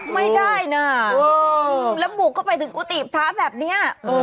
ไม่ได้นะแล้วบุกเข้าไปถึงกุฏิพระแบบนี้